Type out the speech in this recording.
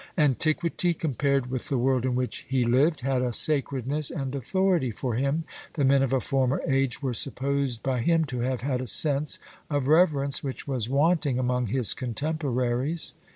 Antiquity, compared with the world in which he lived, had a sacredness and authority for him: the men of a former age were supposed by him to have had a sense of reverence which was wanting among his contemporaries.